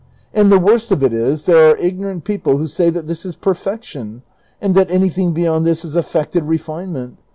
And the worst of it is, there are ignorant people who say that this is perfection, and that anything beyond this is affected refine ment.